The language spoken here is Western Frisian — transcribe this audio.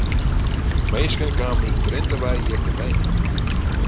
Minsken kamen út Drinte wei hjir te wenjen.